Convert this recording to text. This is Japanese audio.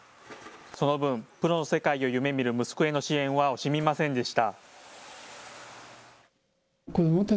その分、プロの世界を夢見る息子への支援は惜しみませんでした。